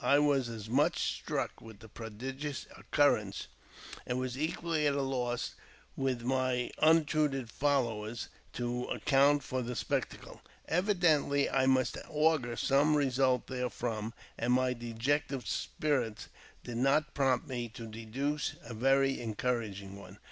I was as much struck with t the prodigious occurrence, and was equally at a loss with my j untutored followers to account for the spectacle. Evidently I 'must augur some result therefrom, and my dejected spirits did not prompt me to deduce a very encouraging one.